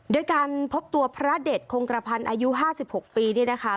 โดยการพบตัวพระเด็ดคงกระพันธ์อายุ๕๖ปีเนี่ยนะคะ